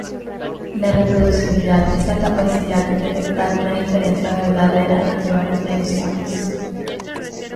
La reproducibilidad es la capacidad en detectar una diferencia verdadera entre varias mediciones.